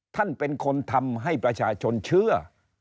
ท่านเป็นคนทำให้ประชาชนเชื่อ